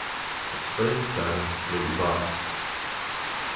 Explain the term "blue box".